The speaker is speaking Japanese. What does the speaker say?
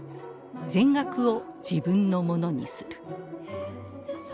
全額を自分のものにする。